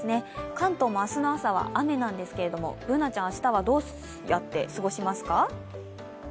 関東も明日の朝は雨なんですけれどもＢｏｏｎａちゃん、明日はどうやって過ごしますか？